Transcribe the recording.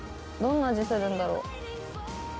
どんな味するんだろう。